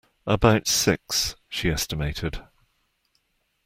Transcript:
About six, she estimated.